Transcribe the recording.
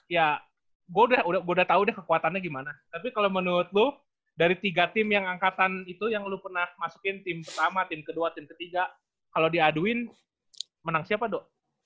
ya gue udah tau deh kekuatannya gimana tapi kalau menurut lo dari tiga tim yang angkatan itu yang lu pernah masukin tim pertama tim kedua tim ketiga kalau diaduin menang siapa dok